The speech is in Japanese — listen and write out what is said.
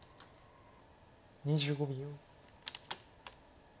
２５秒。